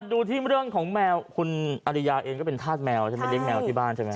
ดูที่เรื่องของแมวคุณอริยาเองก็เป็นธาตุแมวใช่ไหมเลี้ยแมวที่บ้านใช่ไหม